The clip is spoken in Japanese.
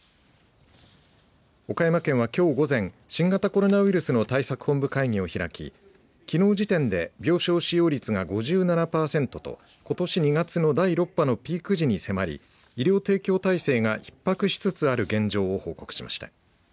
岡山県は、きょう午前新型コロナウイルスの対策本部会議を開ききのう時点で病床使用率が５７パーセントとことし２月の第６波のピーク時に迫り医療提供体制がひっ迫しつつある現状を報告しました。